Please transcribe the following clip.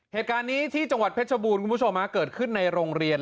เหตุการณ์นี้ที่จังหวัดเพชรบูรณ์คุณผู้ชมเกิดขึ้นในโรงเรียน